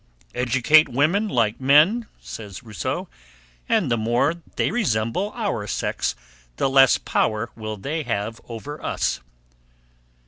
"Educate women like men," says Rousseau, "and the more they resemble our sex the less power will they have over us."